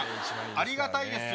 ありがたいですよ